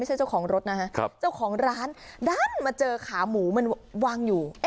เจ้าของรถนะฮะเจ้าของร้านดันมาเจอขาหมูมันวางอยู่